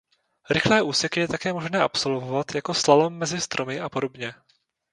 Rychlé úseky je také možné absolvovat jako slalom mezi stromy a podobně.